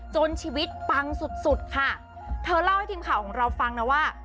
จนชีวิตปังสุดสุดค่ะเธอเล่าให้ทีมข่าวของเราฟังนะว่า